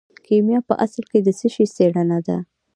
کیمیا په اصل کې د څه شي څیړنه ده.